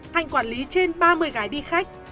hạnh quản lý trên ba mươi gái đi khách